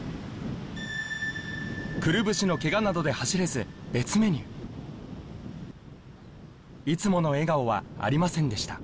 くるぶしのケガなどで走れず別メニューいつもの笑顔はありませんでした